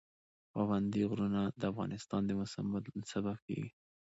پابندي غرونه د افغانستان د موسم د بدلون سبب کېږي.